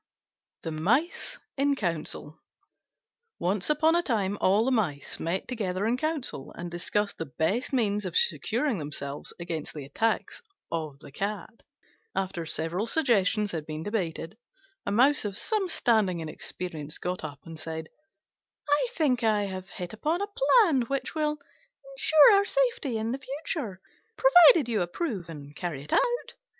THE MICE IN COUNCIL Once upon a time all the Mice met together in Council, and discussed the best means of securing themselves against the attacks of the cat. After several suggestions had been debated, a Mouse of some standing and experience got up and said, "I think I have hit upon a plan which will ensure our safety in the future, provided you approve and carry it out.